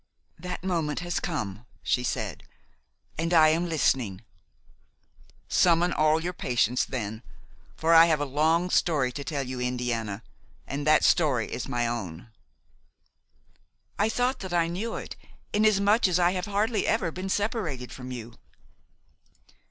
"That moment has come," she said, "and I am listening." "Summon all your patience then, for I have a long story to tell you, Indiana, and that story is my own." "I thought that I knew it, inasmuch as I have hardly ever been separated from you."